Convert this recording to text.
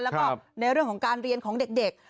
แล้วก็ในเรื่องของการเรียนของเด็ก